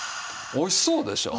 おいしそうでしょう。